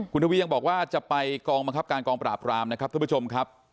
คุณทวียังบอกว่าจะไปกองบังคับการกองปราบรามนะครับท่านผู้ชมครับ